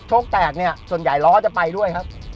แตกเนี่ยส่วนใหญ่ล้อจะไปด้วยครับ